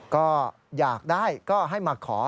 ก็อยากได้ก็ให้มาขอ